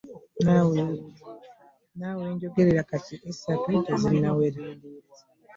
Ne we njogerera kati essatu tezinnawera.